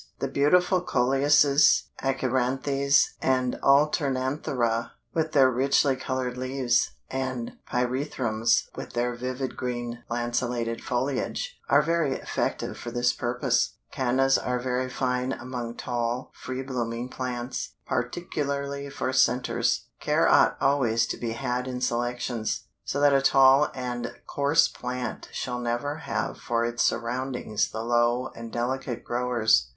The beautiful Coleuses, Achyranthes and Alternanthera, with their richly colored leaves, and Pyrethrums with their vivid green lancelated foliage, are very effective for this purpose. Cannas are very fine among tall, free blooming plants, particularly for centers. Care ought always to be had in selections, so that a tall and coarse plant shall never have for its surroundings the low and delicate growers.